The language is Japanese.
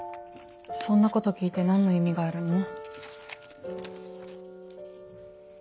そんなこと聞いて何の意味があるの？